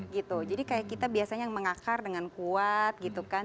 gitu jadi kayak kita biasanya yang mengakar dengan kuat gitu kan